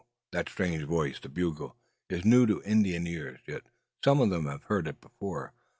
That strange voice, the bugle, is new to Indian ears; yet some of them have heard it before.